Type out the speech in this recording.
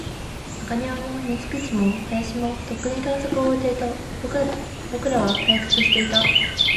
中庭も、秘密基地も、林も、とっくに探索を終えていた。僕らは退屈していた。